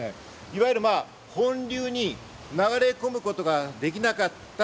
いわゆる本流に流れ込むことができなかった、